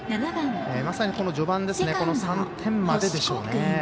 まさにこの序盤この３点まででしょうね。